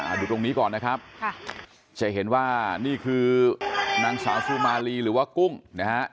ดูตรงนี้ก่อนนะครับค่ะจะเห็นว่านี่คือนางสาวซูมาลีหรือว่ากุ้งนะฮะ